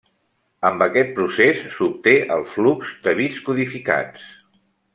Amb aquest procés, s'obté el flux de bits codificats.